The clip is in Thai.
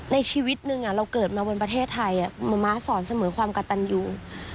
ในชีวิตหนึ่งเราเกิดมาบนประเทศไทยหมอม้าสอนเสมอความกระตันอยู่